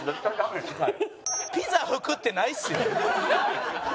ピザ噴くってないですよ。